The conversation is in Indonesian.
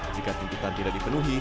jika tuntutan tidak dipenuhi